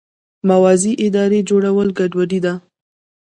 موازي ادارې جوړول ګډوډي ده.